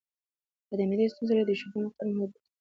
که د معدې ستونزه لرئ، د شیدو مقدار محدود کړئ.